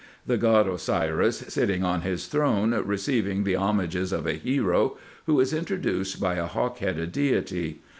The god Osiris sitting on his throne, receiving the homages of a hero, who is introduced by a hawk headed deity.